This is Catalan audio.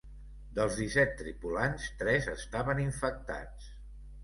Dels disset tripulants, tres estaven infectats.